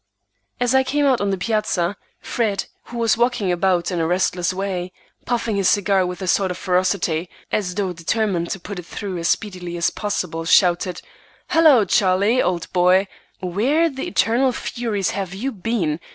As I came out on the piazza, Fred, who was walking about in a restless way, puffing his cigar with a sort of ferocity, as though determined to put it through as speedily as possible, shouted, "Hello! Charlie, old boy, where the eternal furies have you been?